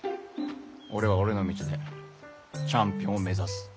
俺は俺の道でチャンピオンを目指す。